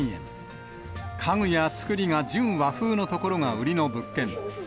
家具や造りが純和風のところが売りの物件。